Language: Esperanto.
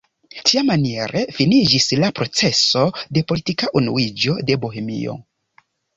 Tiamaniere finiĝis la proceso de politika unuiĝo de Bohemio.